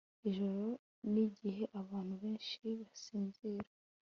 ijoro nigihe abantu benshi basinzira